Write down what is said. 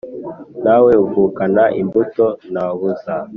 Ntawe uvukana imbuto na buza,